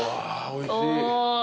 おいしい。